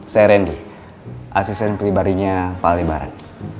saya rendy asisten pelibarinya pak lebaran